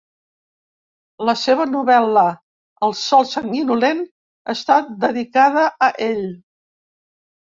La seva novel·la "El sol sanguinolent" està dedicada a ell.